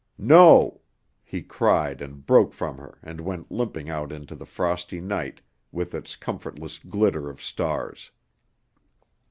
"No!" he cried and broke from her and went limping out into the frosty night with its comfortless glitter of stars.